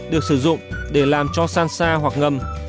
được sử dụng để làm cho san sa hoặc ngâm